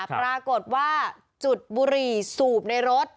ปรากฏว่าจุดบุหรี่สูบในรถ